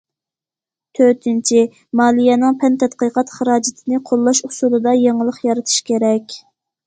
تۆتىنچى، مالىيەنىڭ پەن تەتقىقات خىراجىتىنى قوللاش ئۇسۇلىدا يېڭىلىق يارىتىش كېرەك.